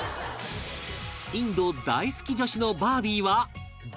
インド大好き女子のバービーは爆買い！